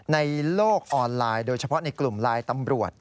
ในโลกออนไลน์โดยเฉพาะในกลุ่มไลน์ตำรวจ